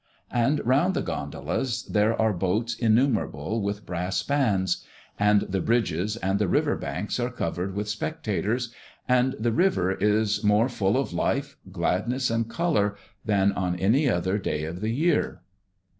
And round the gondolas there are boats innumerable with brass bands; and the bridges and the river banks are covered with spectators, and the river is more full of life, gladness, and colour, than on any other day of the year.